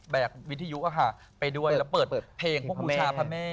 วิทยุไปด้วยแล้วเปิดเพลงพวกบูชาพระแม่